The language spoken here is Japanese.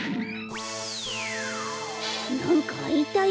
なんかあいたよ。